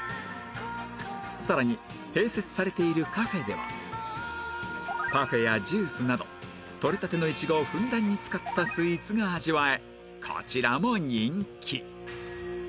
さらに併設されているカフェではパフェやジュースなどとれたてのいちごをふんだんに使ったスイーツが味わえこちらも人気